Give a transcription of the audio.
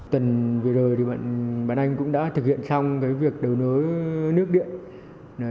tuần vừa rồi thì bạn anh cũng đã thực hiện xong cái việc đầu nối nước điện